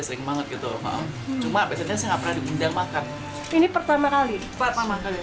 sering banget gitu cuma biasanya nggak pernah diundang makan ini pertama kali pertama kali